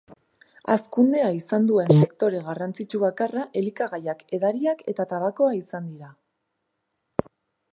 Hazkundea izan duen sektore garrantzitsu bakarra elikagaiak, edariak eta tabakoa izan da.